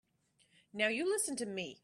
Now you listen to me.